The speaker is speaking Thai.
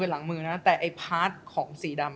หลังมือนะแต่ไอ้พาร์ทของสีดำ